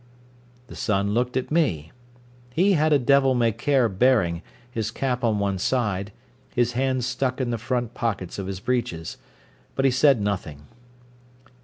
The son looked at me. He had a devil may care bearing, his cap on one side, his hands stuck in the front pockets of his breeches. But he said nothing.